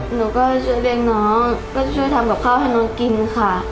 หนูก็ช่วยเลี้ยงน้องก็ช่วยทำกับข้าวให้น้องกินค่ะ